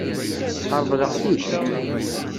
Reḍleɣ-t-id.